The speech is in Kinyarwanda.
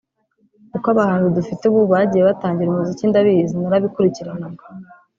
uko abahanzi dufite ubu bagiye batangira umuziki ndabizi narabikurikiranaga